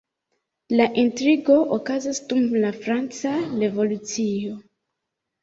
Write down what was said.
La intrigo okazas dum la Franca Revolucio.